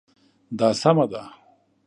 دا سمه ده